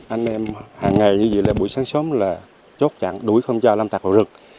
anh em hàng ngày như vậy là buổi sáng sớm là chốt chặn đuổi không cho lâm tạc vào rừng